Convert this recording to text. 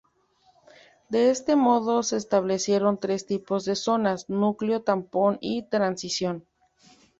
De este modo se establecieron tres tipos de zonas: Núcleo, Tampón y de Transición.